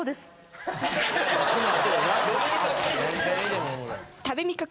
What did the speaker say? このあとよな。